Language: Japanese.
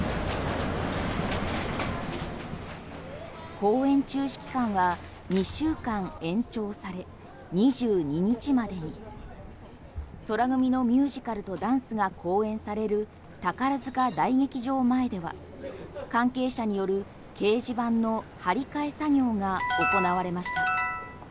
公演中止期間は２週間延長され２２日までに宙組のミュージカルとダンスが公演される宝塚大劇場前では関係者による掲示板の貼り替え作業が行われました。